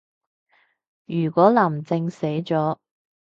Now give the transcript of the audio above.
如果林鄭死咗